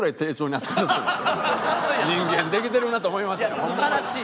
人間できてるなと思いましたよホンマに。